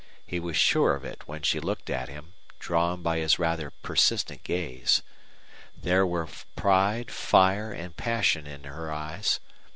He was sure of it when she looked at him, drawn by his rather persistent gaze. There were pride, fire, and passion in her eyes.